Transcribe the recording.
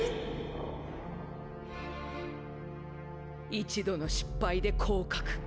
一度の失敗で降格。